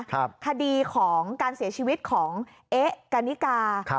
คดีของการเสียชีวิตของเอ๊ะกันนิกา